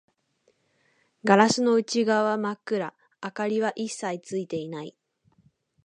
ガラスの内側は真っ暗、明かりは一切ついていない